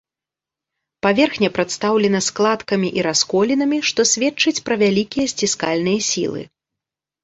Паверхня прадстаўлена складкамі і расколінамі, што сведчыць пра вялікія сціскальныя сілы.